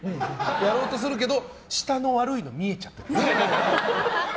やろうとするけど下の悪いのが見えちゃう。